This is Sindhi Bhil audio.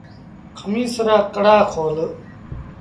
کميٚس رآ ڪڪڙآ کول۔